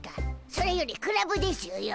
それよりクラブでしゅよ。